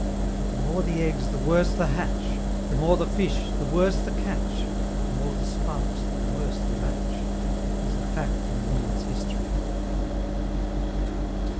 But the more the eggs, the worse the hatch; The more the fish, the worse the catch; The more the sparks, the worse the match; Is a fact in Woman's history.